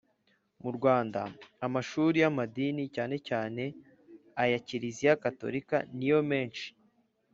Mu Rwanda, amashuri y'amadini, cyane cyane aya Kiliziya gatolika niyo menshi